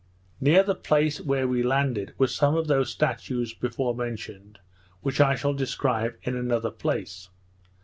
Near the place where we landed, were some of those statues before mentioned, which I shall describe in another place.